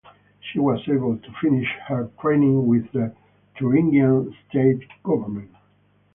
She was able to finish her training with the Thuringian state government.